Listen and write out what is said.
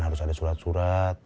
harus ada sulat surat